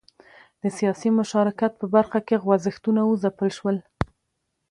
د سیاسي مشارکت په برخه کې خوځښتونه وځپل شول.